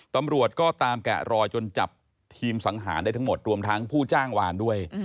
ตำรวจก็ตามแกะรอยจนจับทีมสังหารได้ทั้งหมดรวมทั้งผู้จ้างวานด้วย